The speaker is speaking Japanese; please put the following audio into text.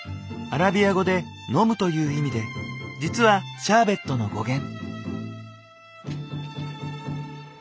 アラビア語で「飲む」という意味で実は「シャーベット」の語源。